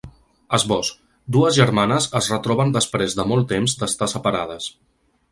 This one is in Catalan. Esbós: Dues germanes es retroben després de molt temps d’estar separades.